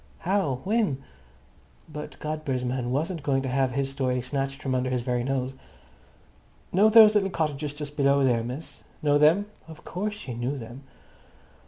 How? When?" But Godber's man wasn't going to have his story snatched from under his very nose. "Know those little cottages just below here, miss?" Know them? Of course, she knew them.